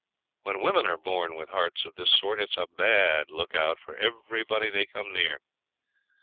When women are born with hearts of this sort it's a bad look out for everybody they come near.